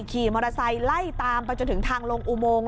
ขี่มอเตอร์ไซค์ไล่ตามไปจนถึงทางลงอุโมง